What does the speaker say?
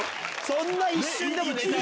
そんな一瞬でも寝たの？